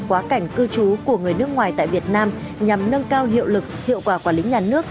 quá cảnh cư trú của người nước ngoài tại việt nam nhằm nâng cao hiệu lực hiệu quả quản lý nhà nước